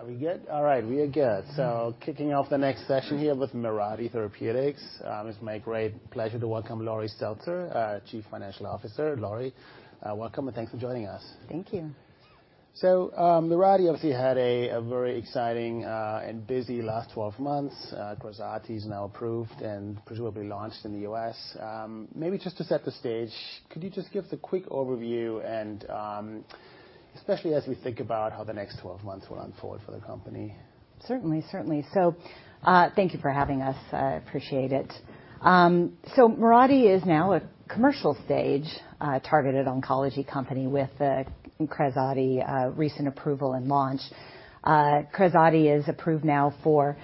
Are we good? All right, we are good. Kicking off the next session here with Mirati Therapeutics. It's my great pleasure to welcome Laurie Stelzer, our Chief Financial Officer. Laurie, welcome, and thanks for joining us. Thank you. Mirati obviously had a very exciting, and busy last 12 months. KRAZATI is now approved and presumably launched in the U.S. Maybe just to set the stage, could you just give us a quick overview and, especially as we think about how the next 12 months will unfold for the company? Certainly, certainly. Thank you for having us. I appreciate it. Mirati is now a commercial stage targeted oncology company with KRAZATI recent approval and launch. KRAZATI is approved now for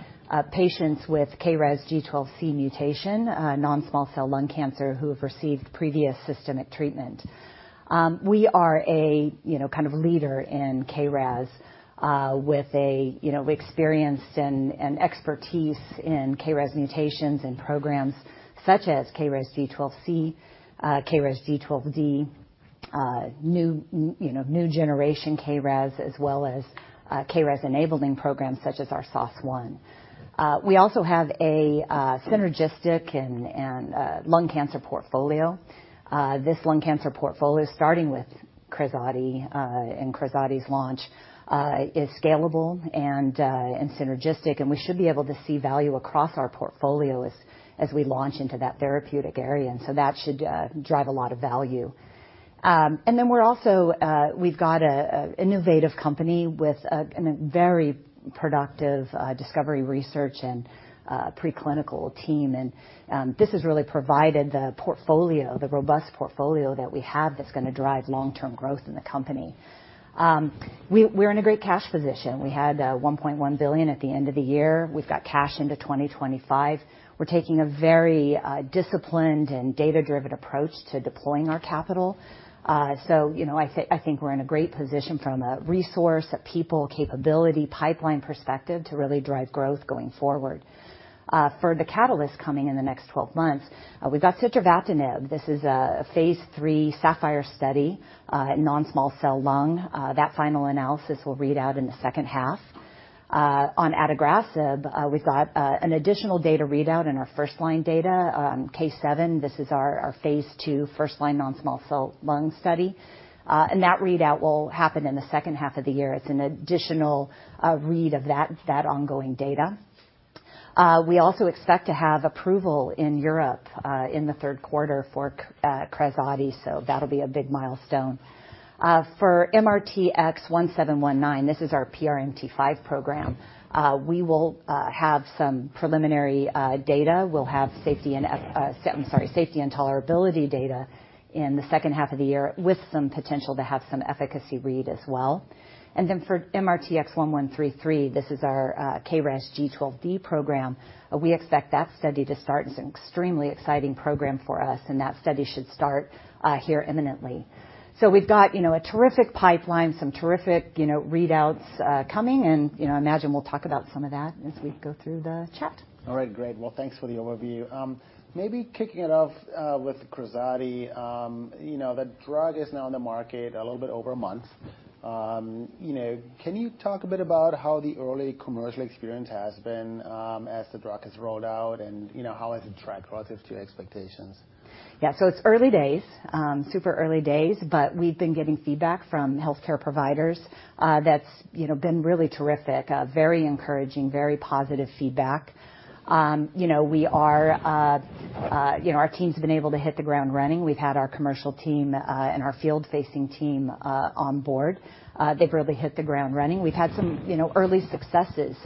patients with KRASG12C mutation non-small cell lung cancer who have received previous systemic treatment. We are a, you know, kind of leader in KRAS with a, you know, experience and expertise in KRAS mutations and programs such as KRASG12C, KRASG12D, new, you know, new generation KRAS as well as KRAS-enabling programs such as our SOS1. We also have a synergistic and lung cancer portfolio. This lung cancer portfolio, starting with KRAZATI, and KRAZATI's launch, is scalable and synergistic, and we should be able to see value across our portfolio as we launch into that therapeutic area. That should drive a lot of value. We're also, we've got a innovative company with a very productive discovery research and preclinical team. This has really provided the robust portfolio that we have that's gonna drive long-term growth in the company. We're in a great cash position. We had $1.1 billion at the end of the year. We've got cash into 2025. We're taking a very disciplined and data-driven approach to deploying our capital. You know, I think we're in a great position from a resource, a people capability, pipeline perspective to really drive growth going forward. For the catalyst coming in the next 12 months, we've got sitravatinib. This is a phase III SAPPHIRE study in non-small cell lung. That final analysis will read out in the second half. On adagrasib, we've got an additional data readout in our first-line data, KRYSTAL-7. This is our phase II first-line non-small cell lung study. That readout will happen in the second half of the year. It's an additional read of that ongoing data. We also expect to have approval in Europe in the third quarter for KRAZATI, that'll be a big milestone. For MRTX1719, this is our PRMT5 program. We will have some preliminary data. We'll have safety and tolerability data in the second half of the year with some potential to have some efficacy read as well. For MRTX1133, this is our KRASG12D program, we expect that study to start. It's an extremely exciting program for us, that study should start here imminently. We've got, you know, a terrific pipeline, some terrific, you know, readouts coming, you know, imagine we'll talk about some of that as we go through the chat. All right, great. Well, thanks for the overview. Maybe kicking it off with KRAZATI. You know, the drug is now on the market a little bit over a month. You know, can you talk a bit about how the early commercial experience has been as the drug has rolled out and, you know, how has it tracked relative to expectations? Yeah. It's early days, super early days, but we've been getting feedback from healthcare providers, that's, you know, been really terrific, a very encouraging, very positive feedback. You know, we are, you know, our team's been able to hit the ground running. We've had our commercial team, and our field-facing team, on board. They've really hit the ground running. We've had some, you know, early successes.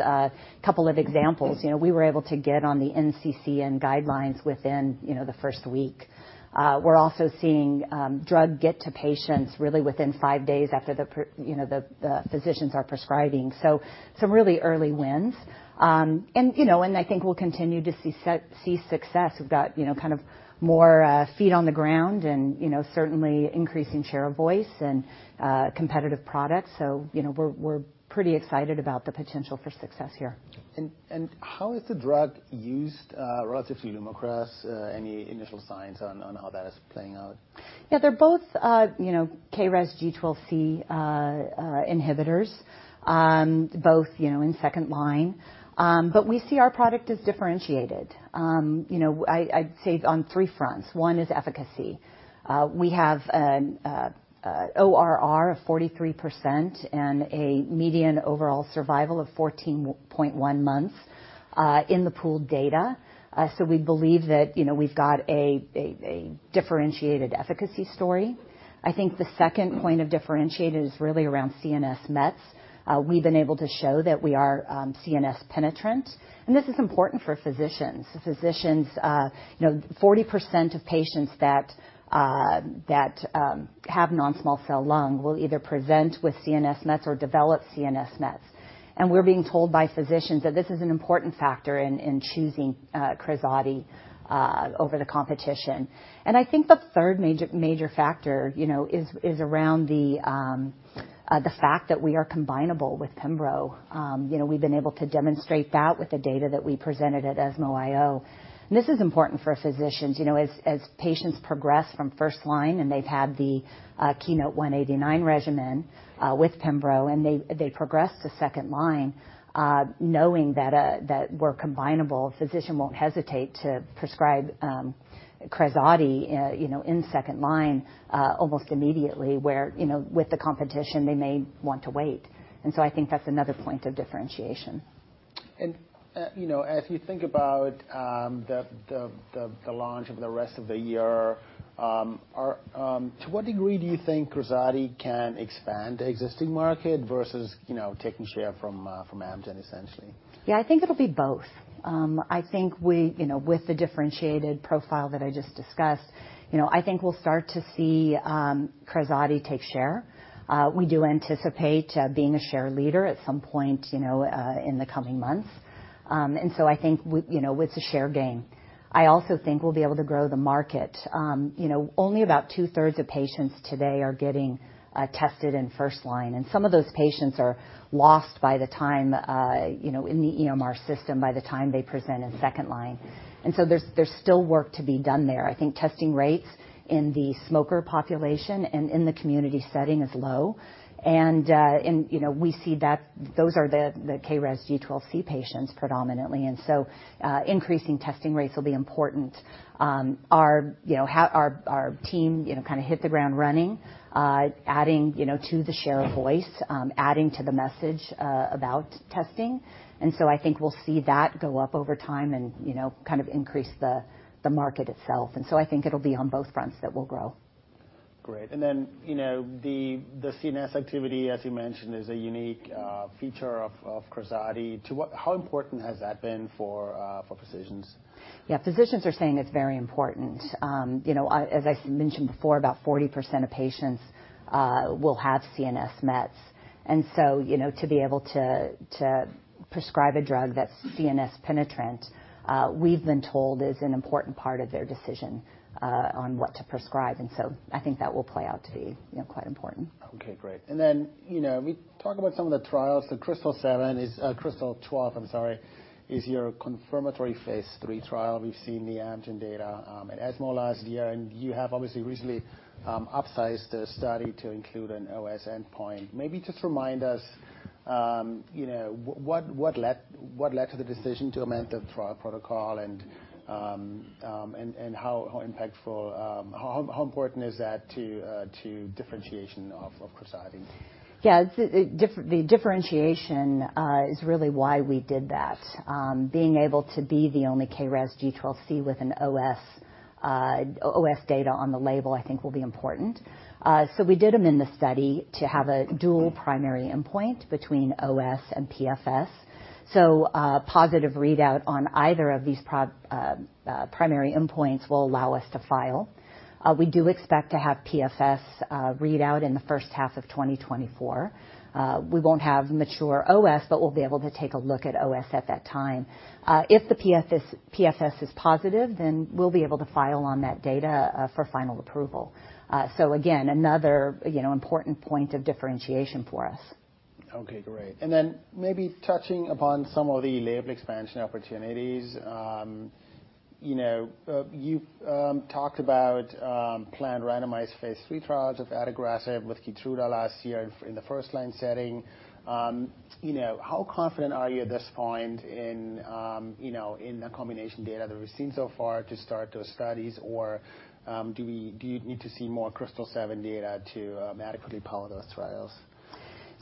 Couple of examples. You know, we were able to get on the NCCN guidelines within, you know, the first week. We're also seeing, drug get to patients really within 5 days after the, you know, the physicians are prescribing. Some really early wins. You know, and I think we'll continue to see success. We've got, you know, kind of more, feet on the ground and, you know, certainly increasing share of voice and, competitive products. you know, we're pretty excited about the potential for success here. How is the drug used, relative to Lumakras? Any initial signs on how that is playing out? Yeah, they're both, you know, KRASG12C inhibitors, both, you know, in second line. We see our product as differentiated. You know, I'd say on three fronts. One is efficacy. We have an ORR of 43% and a median overall survival of 14.1 months in the pooled data. We believe that, you know, we've got a differentiated efficacy story. I think the second point of differentiator is really around CNS Mets. We've been able to show that we are CNS penetrant, and this is important for physicians. The physicians, you know, 40% of patients that have non-small cell lung will either present with CNS Mets or develop CNS Mets. We're being told by physicians that this is an important factor in choosing KRAZATI over the competition. I think the third major factor, you know, is around the fact that we are combinable with Pembro. You know, we've been able to demonstrate that with the data that we presented at ESMO IO. This is important for physicians. You know, as patients progress from first line, and they've had the KEYNOTE-189 regimen with Pembro, and they progress to second line, knowing that we're combinable, a physician won't hesitate to prescribe KRAZATI, you know, in second line almost immediately, where, you know, with the competition, they may want to wait. I think that's another point of differentiation. You know, as we think about the launch of the rest of the year, to what degree do you think KRAZATI can expand the existing market versus, you know, taking share from Amgen, essentially? Yeah, I think it'll be both. I think we, you know, with the differentiated profile that I just discussed, you know, I think we'll start to see KRAZATI take share. We do anticipate being a share leader at some point, you know, in the coming months. I think you know, with the share gain. I also think we'll be able to grow the market. You know, only about two-thirds of patients today are getting tested in first line, some of those patients are lost by the time, you know, in the EMR system by the time they present in second line. There's still work to be done there. I think testing rates in the smoker population and in the community setting is low. You know, we see that those are the KRAS G12C patients predominantly, increasing testing rates will be important. Our team, you know, kinda hit the ground running, adding, you know, to the share of voice, adding to the message about testing. I think we'll see that go up over time and, you know, kind of increase the market itself. I think it'll be on both fronts that we'll grow. Great. You know, the CNS activity, as you mentioned, is a unique feature of KRAZATI. How important has that been for physicians? Yeah, physicians are saying it's very important. you know, as I mentioned before, about 40% of patients will have CNS mets. you know, to be able to prescribe a drug that's CNS penetrant, we've been told is an important part of their decision on what to prescribe. I think that will play out to be, you know, quite important. Okay, great. you know, we talk about some of the trials. The KRYSTAL-7 is, KRYSTAL-12, I'm sorry, is your confirmatory phase III trial. We've seen the Amgen data at ESMO last year, you have obviously recently upsized the study to include an OS endpoint. Maybe just remind us, you know, what led to the decision to amend the trial protocol and how impactful, how important is that to differentiation of KRAZATI? Yeah. The differentiation is really why we did that. Being able to be the only KRAS G12C with an OS data on the label, I think will be important. We did amend the study to have a dual primary endpoint between OS and PFS. Positive readout on either of these primary endpoints will allow us to file. We do expect to have PFS readout in the first half of 2024. We won't have mature OS, but we'll be able to take a look at OS at that time. If PFS is positive, then we'll be able to file on that data for final approval. Again, another, you know, important point of differentiation for us. Okay, great. Then maybe touching upon some of the label expansion opportunities. You know, you talked about planned randomized phase III trials of adagrasib with KEYTRUDA last year in the first-line setting. You know, how confident are you at this point in, you know, in the combination data that we've seen so far to start those studies? Or do you need to see more KRYSTAL-7 data to adequately power those trials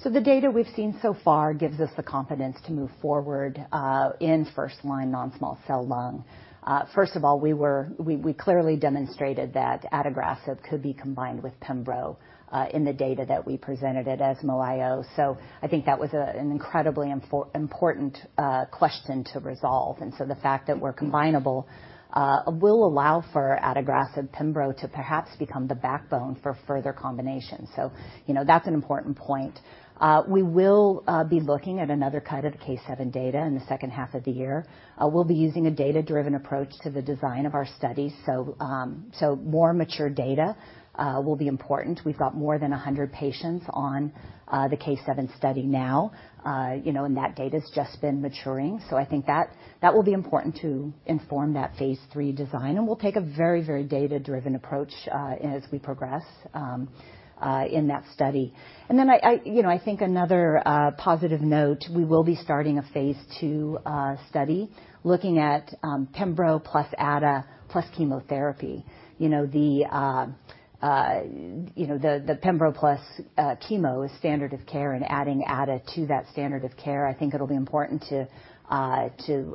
The data we've seen so far gives us the confidence to move forward in first line non-small cell lung. First of all, we clearly demonstrated that adagrasib could be combined with pembro in the data that we presented at ESMO IO. I think that was an incredibly important question to resolve. The fact that we're combinable will allow for adagrasib pembro to perhaps become the backbone for further combinations. You know, that's an important point. We will be looking at another cut of the KRYSTAL-7 data in the second half of the year. We'll be using a data-driven approach to the design of our study. So more mature data will be important. We've got more than 100 patients on the KRYSTAL-7 study now. You know, that data's just been maturing. I think that will be important to inform that phase III design. We'll take a very, very data-driven approach as we progress in that study. You know, I think another positive note, we will be starting a phase II study looking at pembro plus ada plus chemotherapy. You know, the pembro plus chemo is standard of care and adding ada to that standard of care, I think it'll be important to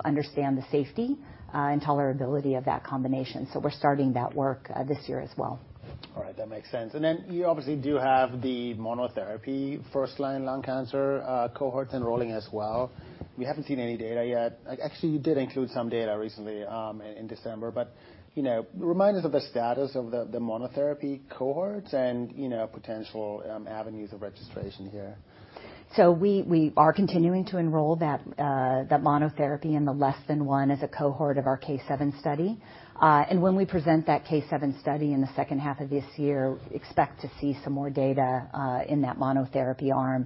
understand the safety and tolerability of that combination. We're starting that work this year as well. All right. That makes sense. You obviously do have the monotherapy first-line lung cancer cohorts enrolling as well. We haven't seen any data yet. Actually, you did include some data recently, in December, but, you know, remind us of the status of the monotherapy cohorts and, you know, potential avenues of registration here. We are continuing to enroll that monotherapy in the less than 1 as a cohort of our K 7 study. When we present that K 7 study in the second half of this year, expect to see some more data in that monotherapy arm.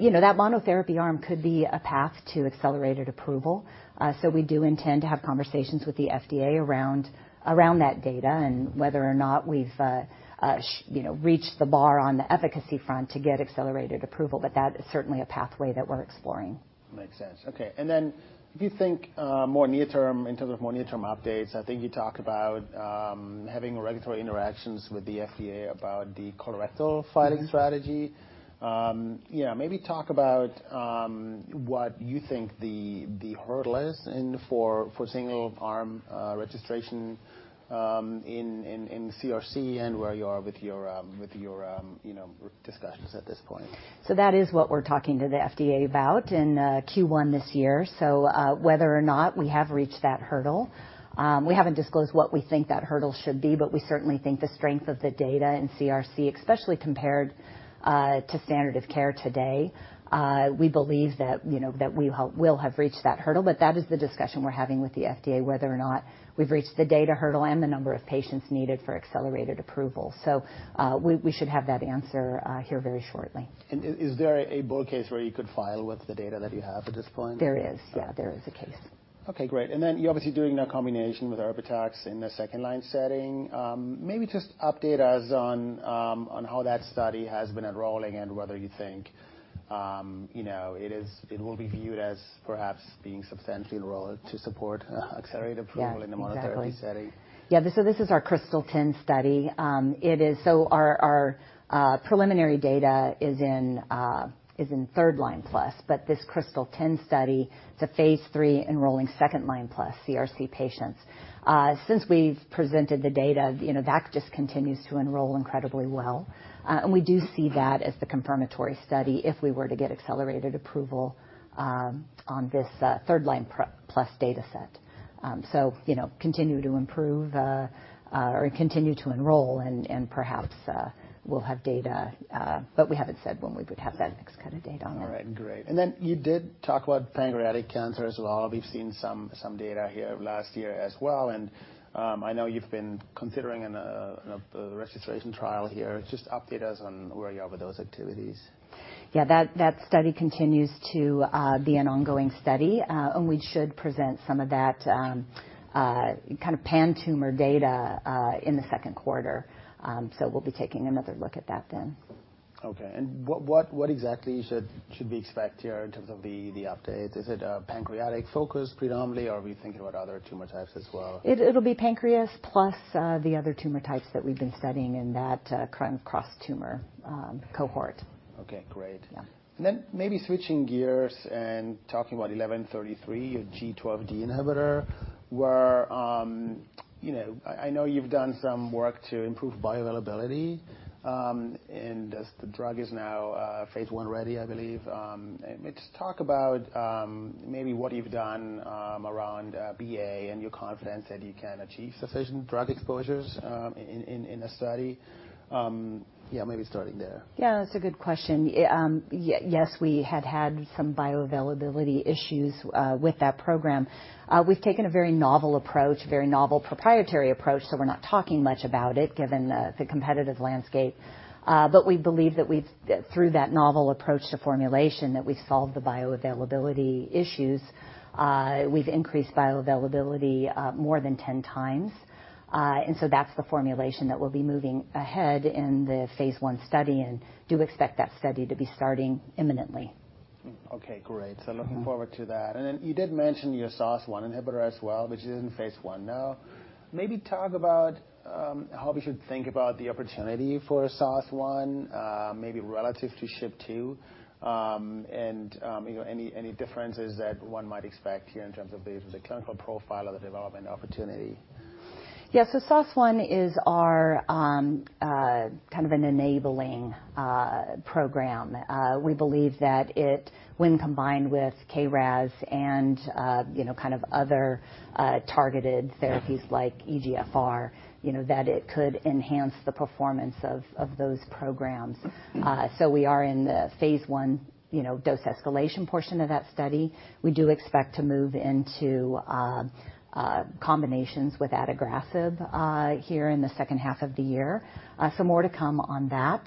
You know, that monotherapy arm could be a path to accelerated approval. We do intend to have conversations with the FDA around that data and whether or not we've, you know, reached the bar on the efficacy front to get accelerated approval. That is certainly a pathway that we're exploring. Makes sense. Okay. If you think, more near term, in terms of more near-term updates, I think you talked about, having regulatory interactions with the FDA about the colorectal filing strategy. Yeah, maybe talk about what you think the hurdle is for single arm, registration, in CRC and where you are with your, you know, discussions at this point. That is what we're talking to the FDA about in Q1 this year. Whether or not we have reached that hurdle. We haven't disclosed what we think that hurdle should be, but we certainly think the strength of the data in CRC, especially compared to standard of care today, we believe that, you know, that we will have reached that hurdle. That is the discussion we're having with the FDA, whether or not we've reached the data hurdle and the number of patients needed for accelerated approval. We should have that answer here very shortly. Is there a bull case where you could file with the data that you have at this point? There is. Okay. Yeah, there is a case. Okay, great. You're obviously doing a combination with Erbitux in the second line setting. Maybe just update us on how that study has been enrolling and whether you think, you know, it will be viewed as perhaps being substantially enrolled to support accelerated approval? Yeah, exactly. in a monotherapy setting. Yeah. This is our KRYSTAL-10 study. Our preliminary data is in third-line plus. This KRYSTAL-10 study is a phase III enrolling second-line plus CRC patients. Since we've presented the data, you know, that just continues to enroll incredibly well. We do see that as the confirmatory study if we were to get accelerated approval on this third-line plus dataset. You know, continue to improve or continue to enroll and perhaps we'll have data, but we haven't said when we would have that next cut of data on it. All right, great. Then you did talk about pancreatic cancer as well. We've seen some data here last year as well. I know you've been considering a registration trial here. Just update us on where you are with those activities. Yeah, that study continues to be an ongoing study. We should present some of that kind of pan-tumor data in the second quarter. We'll be taking another look at that then. Okay. What exactly should we expect here in terms of the update? Is it a pancreatic focus predominantly, or are we thinking about other tumor types as well? It'll be pancreas plus, the other tumor types that we've been studying in that kind of cross-tumor cohort. Okay, great. Yeah. Maybe switching gears and talking about MRTX1133, your G12D inhibitor, where, you know, I know you've done some work to improve bioavailability, and as the drug is now, phase I ready, I believe. Maybe just talk about, maybe what you've done, around BA and your confidence that you can achieve sufficient drug exposures, in a study. Yeah, maybe starting there. Yeah, that's a good question. Yes, we had some bioavailability issues with that program. We've taken a very novel approach, very novel proprietary approach, so we're not talking much about it given the competitive landscape. But we believe that we've, through that novel approach to formulation, that we've solved the bioavailability issues. We've increased bioavailability more than 10 times. That's the formulation that we'll be moving ahead in the phase I study and do expect that study to be starting imminently. Okay, great. Yeah. Looking forward to that. You did mention your SOS1 inhibitor as well, which is in phase I now. Maybe talk about how we should think about the opportunity for SOS1, maybe relative to SHP2, and, you know, any differences that one might expect here in terms of the clinical profile or the development opportunity. Yeah. SOS1 is our, kind of an enabling, program. We believe that it, when combined with KRAS and, you know, kind of other, targeted therapies like EGFR, you know, that it could enhance the performance of those programs. We are in the phase I, you know, dose escalation portion of that study. We do expect to move into, combinations with adagrasib, here in the second half of the year. More to come on that.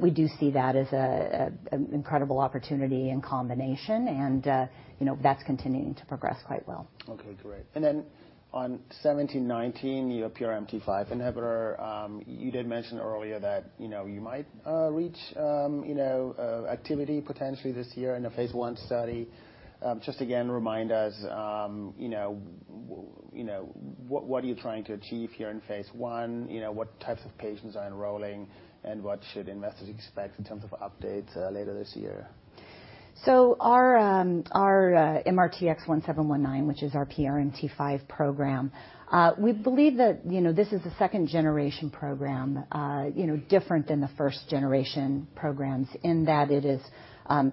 We do see that as a, an incredible opportunity and combination and, you know, that's continuing to progress quite well. Okay, great. On 1719, your PRMT5 inhibitor, you did mention earlier that, you know, you might reach activity potentially this year in a phase I study. Just again, remind us, you know, what are you trying to achieve here in phase I? You know, what types of patients are enrolling, and what should investors expect in terms of updates later this year? Our MRTX1719, which is our PRMT5 program, we believe that, you know, this is a second-generation program, you know, different than the first-generation programs in that it is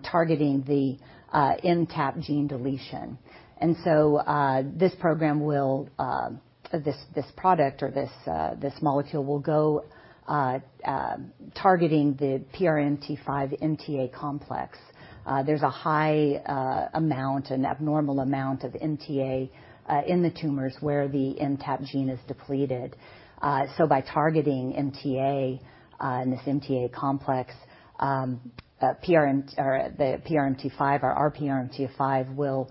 targeting the MTAP gene deletion. This program will, this product or this molecule will go targeting the PRMT5 MTA complex. There's a high amount, an abnormal amount of MTA in the tumors where the MTAP gene is depleted. By targeting MTA, and this MTA complex, the PRMT5 or our PRMT5 will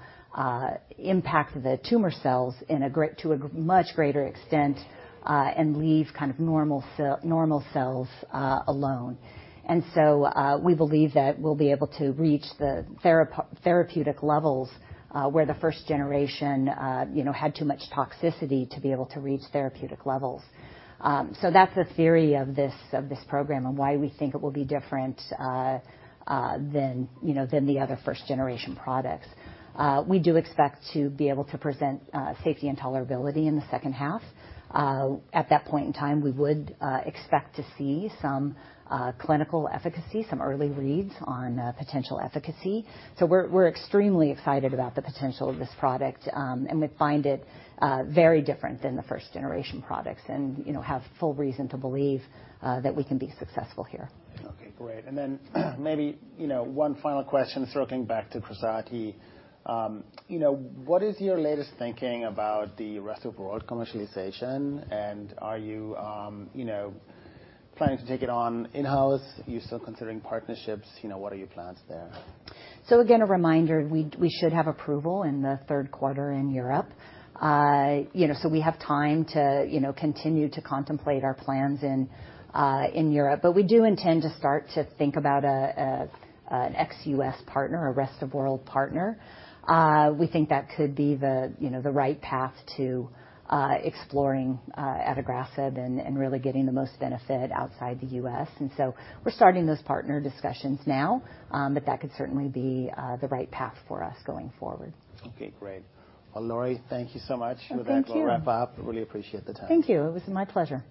impact the tumor cells to a much greater extent, and leave kind of normal cells alone. We believe that we'll be able to reach the therapeutic levels, where the first generation, you know, had too much toxicity to be able to reach therapeutic levels. That's the theory of this, of this program and why we think it will be different than, you know, than the other first-generation products. We do expect to be able to present safety and tolerability in the second half. At that point in time, we would expect to see some clinical efficacy, some early reads on potential efficacy. We're extremely excited about the potential of this product, and we find it very different than the first-generation products and, you know, have full reason to believe that we can be successful here. Okay, great. Maybe, you know, one final question circling back to KRAZATI. You know, what is your latest thinking about the rest-of-world commercialization? Are you know, planning to take it on in-house? Are you still considering partnerships? You know, what are your plans there? Again, a reminder, we should have approval in the third quarter in Europe. You know, so we have time to, you know, continue to contemplate our plans in Europe. We do intend to start to think about an ex-US partner, a rest-of-world partner. We think that could be the, you know, the right path to exploring adagrasib and really getting the most benefit outside the US. We're starting those partner discussions now, but that could certainly be the right path for us going forward. Okay, great. Laurie, thank you so much. Oh, thank you. With that, we'll wrap up. Really appreciate the time. Thank you. It was my pleasure.